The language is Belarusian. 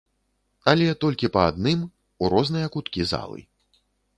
Але толькі па адным, у розныя куткі залы.